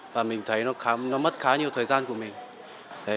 và mình thấy nó mất khá nhiều thời gian của mình